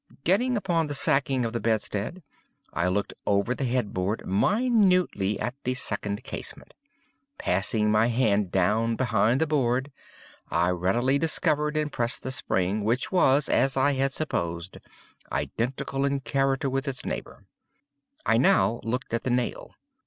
Getting upon the sacking of the bedstead, I looked over the head board minutely at the second casement. Passing my hand down behind the board, I readily discovered and pressed the spring, which was, as I had supposed, identical in character with its neighbor. I now looked at the nail.